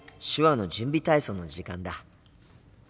手話の準備体操の時間だ！